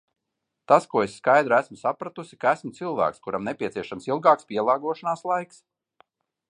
Tas, ko es skaidri esmu sapratusi, ka esmu cilvēks, kuram nepieciešams ilgāks pielāgošanās laiks.